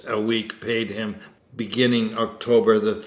a week paid him beginning October 30.'